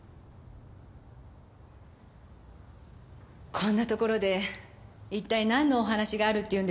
こんなところで一体なんのお話があるっていうんですか？